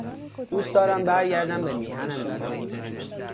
دوست دارم برگردم به میهنم ایران.